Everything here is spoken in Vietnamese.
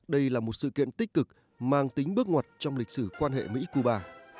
đây là một sự kiện tích cực mang tính bước ngoặt trong lịch sử quan hệ mỹ cuba